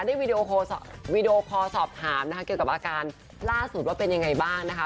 วีดีโอคอลสอบถามนะคะเกี่ยวกับอาการล่าสุดว่าเป็นยังไงบ้างนะคะ